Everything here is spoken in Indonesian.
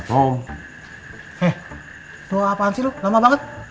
eh doa apaan sih lu lama banget